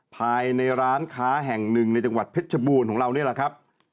ภายในร้านค้าแห่งหนึ่งในจังหวัดเพชรชบูรณ์ของเรานี่แหละครับ